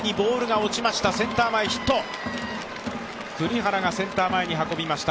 栗原がセンター前に運びました。